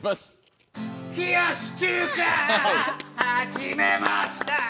「冷やし中華始めました」